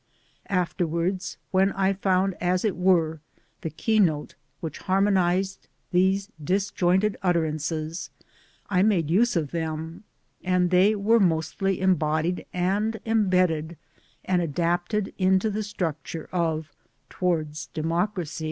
Afterwards, when I found as it were the keynote which harmonized these disjointed utterances, I made use of them ; and they were mostly embodied and embedded and adapted into the structure of Towards Democracy.